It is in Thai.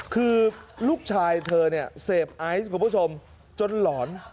คือลูกชายเธอเนี่ยเสพไอซ์คุณผู้ชมจนหลอน